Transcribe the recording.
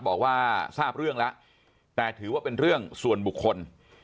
บอกว่าทราบเรื่องแล้วแต่ถือว่าเป็นเรื่องส่วนบุคคล